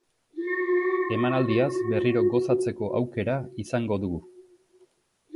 Emanaldiaz berriro gozatzeko aukera izango dugu.